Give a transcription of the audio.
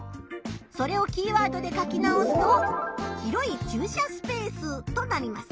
それをキーワードで書き直すと「広い駐車スペース」となります。